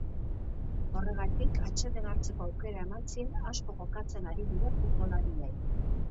Horregatik, atseden hartzeko aukera eman zien asko jokatzen ari diren futbolariei.